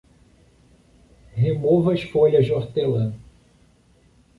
Remova as folhas de hortelã.